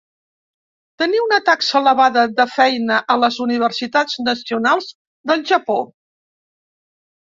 Tenir una taxa elevada de feina a les universitats nacionals del Japó.